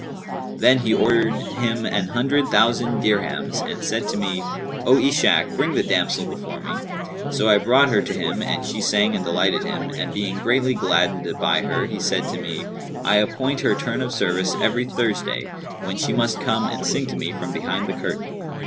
Then he ordered him an hundred thousand dirhams and said to me, 'O Ishak, bring the damsel before me.' So I brought her to him, and she sang and delighted him; and being greatly gladdened by her he said to me, 'I appoint her turn of service every Thursday, when she must come and sing to me from behind the curtain.'